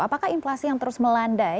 apakah inflasi yang terus melandai